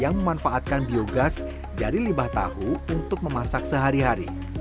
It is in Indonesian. yang memanfaatkan biogas dari limbah tahu untuk memasak sehari hari